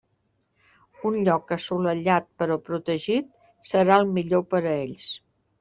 Un lloc assolellat però protegit serà el millor per a ells.